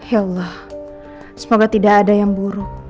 ya allah semoga tidak ada yang buruk